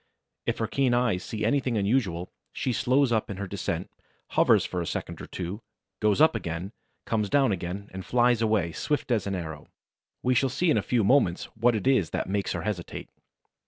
If her keen eyes see anything unusual, she slows up in her descent, hovers for a second or two, goes up again, comes down again and flies away, swift as an arrow. We shall see in a few moments what it is that makes her hesitate.